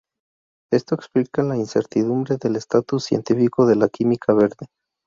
Esto explica la incertidumbre del estatus científico de la química verde.